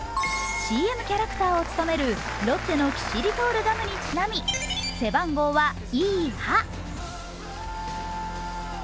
ＣＭキャラクターを務めるロッテのキシリトールガムにちなみ背番号は１１８。